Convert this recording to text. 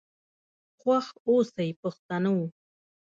خوښ آوسئ پښتنو.